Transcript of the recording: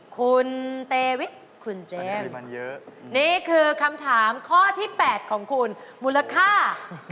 คุณเตวิทคุณเจ๊นี่คือคำถามข้อที่๘ของคุณมูลค่า